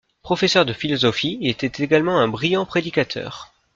Professeur de philosophie, il était également un brillant prédicateur.